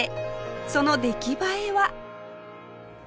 その出来栄えは？